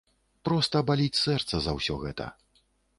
Проста баліць сэрца за ўсё гэта.